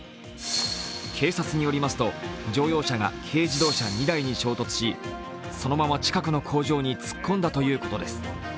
警察によりますと乗用車が軽自動車２台に衝突しそのまま近くの工場に突っ込んだということです。